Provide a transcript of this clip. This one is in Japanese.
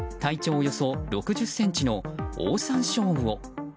およそ６０ｃｍのオオサンショウウオ。